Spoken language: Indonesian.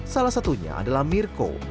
salah satunya adalah mirko